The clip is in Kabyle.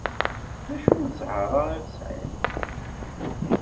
Acu n zher-a i tesɛiḍ!